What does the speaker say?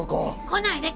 来ないで！